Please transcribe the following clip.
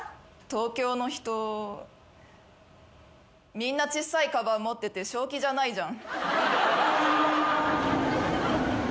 みんなちっさいかばん持ってて正気じゃないじゃん。